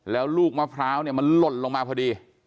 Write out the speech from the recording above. แล้วลูกมะพร้าวเนี่ยมันหล่นลงมาพอดี